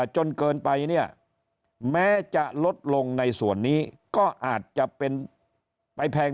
จนเกินไปเนี่ยแม้จะลดลงในส่วนนี้ก็อาจจะเป็นไปแพง